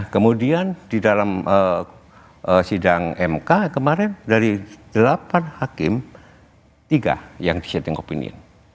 kemudian di dalam sidang mk kemarin dari delapan hakim tiga yang di setting opinion